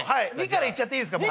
２からいっちゃっていいすか？